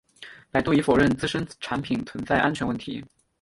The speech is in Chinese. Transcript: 百度已否认自身产品存在安全问题。